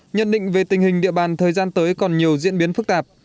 nhận định về tình hình địa bàn thời gian tới còn nhiều diễn biến phức tạp